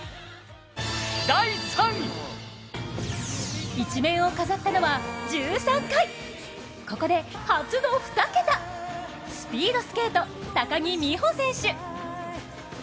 第３位、一面を飾ったのは１３回、ここで、初の２桁スピードスケート・高木美帆選手。